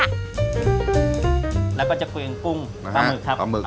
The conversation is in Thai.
แล้วก็จะปลื้งปุ้งปลาหมึกครับ